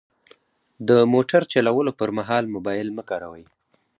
د موټر چلولو پر مهال موبایل مه کاروئ.